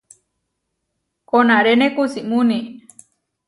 Konaréne kusímuni.